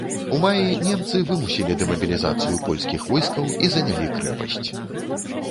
У маі немцы вымусілі дэмабілізацыю польскіх войскаў і занялі крэпасць.